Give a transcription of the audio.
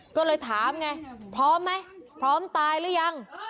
ก็เลยถามไงพร้อมไหมพร้อมตายหรือยัง